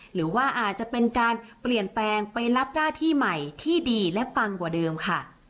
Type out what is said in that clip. หรือว่าอาจจะเป็นการเปลี่ยนแปลงไปรับหน้าที่ใหม่ที่ดีและปังกว่าเดิมค่ะ